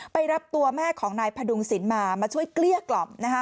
ไปรับตัวแม่ของนายพดุงศิลป์มามาช่วยเกลี้ยกล่อมนะคะ